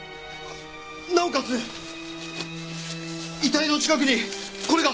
なおかつ遺体の近くにこれが。